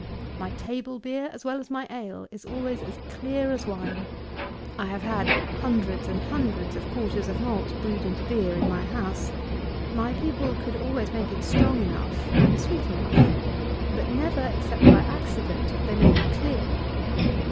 My table beer, as well as my ale, is always as clear as wine. I have had hundreds and hundreds of quarters of malt brewed into beer in my house. My people could always make it strong enough and sweet enough; but never, except by accident, could they make it CLEAR.